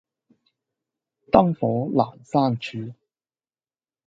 燈火闌珊處